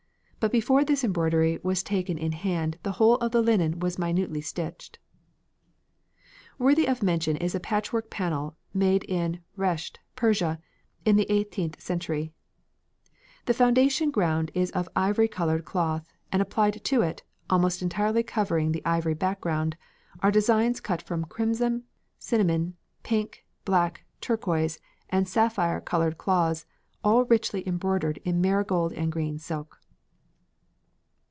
But before this embroidery was taken in hand the whole of the linen was minutely stitched." Worthy of mention is a patchwork panel made in Resht, Persia, in the eighteenth century: "The foundation ground is of ivory coloured cloth, and applied to it, almost entirely covering the ivory background, are designs cut from crimson, cinnamon, pink, black, turquoise, and sapphire coloured cloths, all richly embroidered in marigold and green silk."